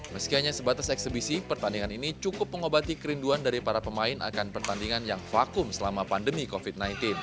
meski hanya sebatas eksebisi pertandingan ini cukup mengobati kerinduan dari para pemain akan pertandingan yang vakum selama pandemi covid sembilan belas